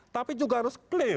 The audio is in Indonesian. tapi juga harus clear